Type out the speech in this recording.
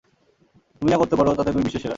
তুমি যা করতে পারো তাতে তুমি বিশ্বের সেরা।